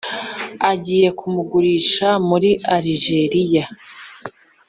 agiye kumugurisha muri alijeriya.